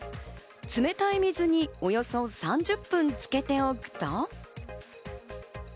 冷たい水におよそ３０分つけておくと。